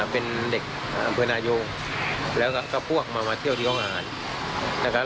เป็นเด็กเผือนายกแล้วก็พวกมาเที่ยวที่โรงงาน